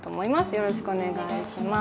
よろしくお願いします。